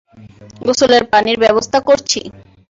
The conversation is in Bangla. গোসলের পানির ব্যবস্থা করছি।